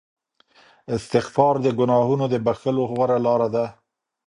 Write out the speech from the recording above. استغفار د ګناهونو د بخښلو غوره لاره ده.